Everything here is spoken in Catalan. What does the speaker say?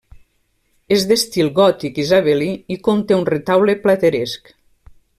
És d'estil gòtic isabelí i conté un retaule plateresc.